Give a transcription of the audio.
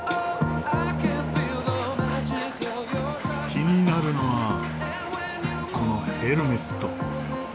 気になるのはこのヘルメット。